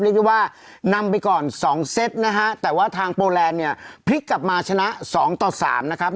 เรียกได้ว่านำไปก่อนสองเซตนะฮะแต่ว่าทางโปแลนด์เนี่ยพลิกกลับมาชนะสองต่อสามนะครับ